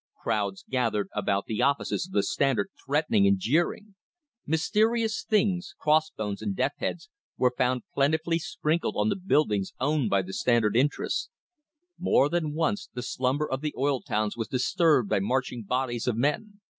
Crowds gath ered about the offices of the Standard threatening and jeering. Mysterious things, cross bones and death heads, were found plentifully sprinkled on the buildings owned by the Standard interests. More than once the slumber of the oil towns was disturbed by marching bodies of men.